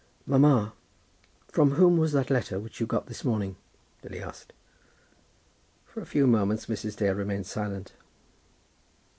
"Mamma, from whom was that letter which you got this morning?" Lily asked. For a few moments Mrs. Dale remained silent.